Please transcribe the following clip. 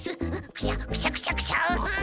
クシャクシャクシャクシャ。